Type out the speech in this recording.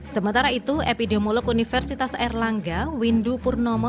sementara itu epidemiolog universitas erlangga windu purnomo